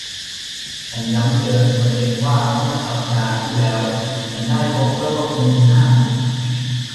ฉันย้ำเตือนตัวเองว่าเมื่อสัปดาห์ที่แล้วฉันได้พบว่าโลกนี้มันน่าเบื่อ